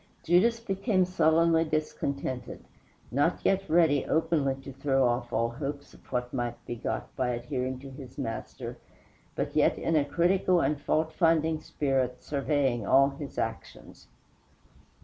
Judas became sullenly discontented, not yet ready openly to throw off all hopes of what might be got by adhering to his Master, but yet in a critical and fault finding spirit surveying all his actions.